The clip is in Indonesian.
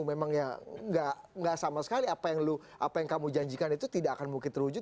memang ya nggak sama sekali apa yang kamu janjikan itu tidak akan mungkin terwujud